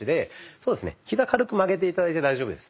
そうですねひざ軽く曲げて頂いて大丈夫です。